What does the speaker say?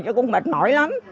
thì cũng mệt mỏi lắm